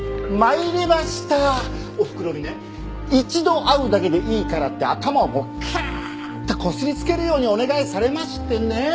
おふくろにね一度会うだけでいいからって頭をもうクーッとこすりつけるようにお願いされましてねえ。